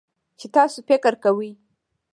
چې تاسو فکر کوئ